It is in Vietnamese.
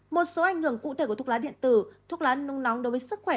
một số ảnh hưởng cụ thể của thuốc lá điện tử thuốc lá nung nóng đối với sức khỏe